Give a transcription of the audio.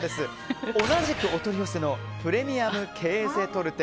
同じくお取り寄せのプレミアム・ケーゼ・トルテ。